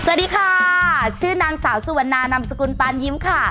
สวัสดีค่ะชื่อนางสาวสุวรรณานำสกุลปานยิ้มค่ะ